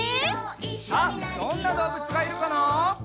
さあどんなどうぶつがいるかな？